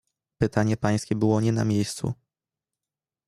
"Pytanie pańskie było nie na miejscu."